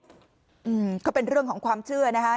อืมก็เป็นเรื่องของความเชื่อนะคะ